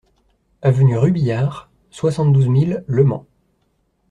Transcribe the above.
Avenue Rubillard, soixante-douze mille Le Mans